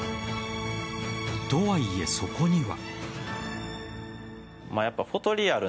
とはいえ、そこには。